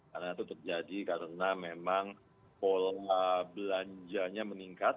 karena itu terjadi karena memang pola belanjanya meningkat